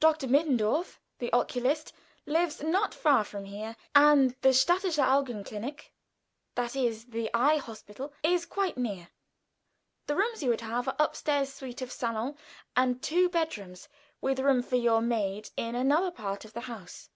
Dr. Mittendorf, the oculist, lives not far from here, and the Städtische Augenklinik that is, the eye hospital is quite near. The rooms you would have are upstairs suite of salon and two bedrooms, with room for your maid in another part of the house.